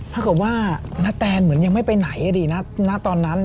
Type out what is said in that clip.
ถ้าเกิดว่าณแตนเหมือนยังไม่ไปไหนอดีตณตอนนั้น